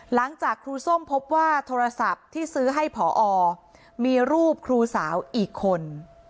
หลังจากครูส้มพบว่าโทรศัพท์ที่ซื้อให้ผอมีรูปครูสาวอีกคน